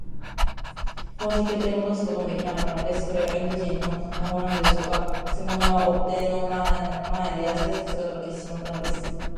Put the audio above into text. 宝石をとりもどすこともできなかったのです。これがインド人の魔法なのでしょうか。くせ者は追っ手の目の前で、やすやすと姿を消してしまったのです。